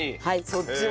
そっちも。